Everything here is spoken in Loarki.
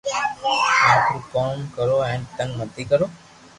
آپرو ڪوم ڪرو ھين تنگ متي ڪرو